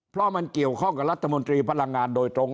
เพราะมันเกี่ยวข้องกับรัฐมนตรีพลังงานโดยตรง